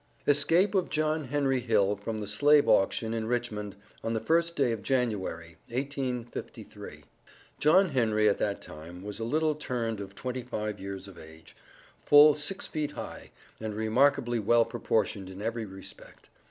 ESCAPE OF JOHN HENRY HILL FROM THE SLAVE AUCTION IN RICHMOND, ON THE FIRST DAY OF JANUARY, 1853. JOHN HENRY at that time, was a little turned of twenty five years of age, full six feet high, and remarkably well proportioned in every respect.